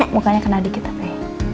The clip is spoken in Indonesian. bukannya kena dikit tapi